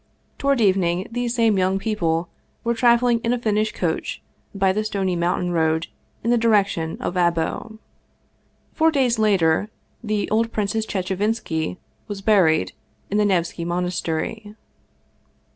Toward evening these same young people were traveling in a Finnish coach by the stony mountain road in the direction of Abo. Four days later the old Princesss Chechevinski was bur ied in the Nevski monastery.